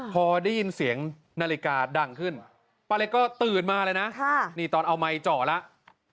พอได้ยินเสียงนาฬิกาดังขึ้นป้าเล็กก็ตื่นมาเลยนะนี่ตอนเอาไมค์เจาะแล้ว